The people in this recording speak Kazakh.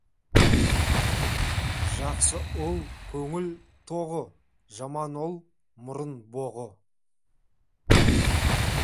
Жақсы ұл көңіл тоғы, жаман ұл мұрын боғы.